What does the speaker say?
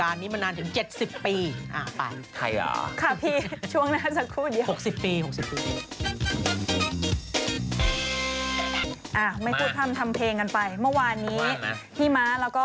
อุ๊ยต้องตอบคำถามอีก